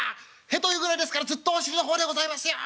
『へというぐらいですからずっとお尻の方でございますよ』。